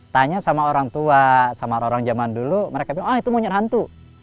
tanya sama orang tua sama orang zaman dulu mereka bilang ah itu monyet hantu